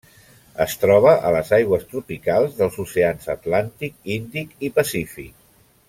Es troba a les aigües tropicals dels oceans Atlàntic, Índic i Pacífic.